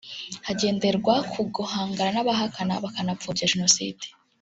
hagenderwa ku guhangana n’abahakana bakanapfobya Jenoside